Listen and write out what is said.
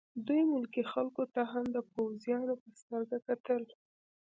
دوی ملکي خلکو ته هم د پوځیانو په سترګه کتل